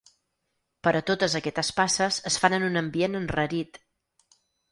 Però totes aquestes passes es fan en un ambient enrarit.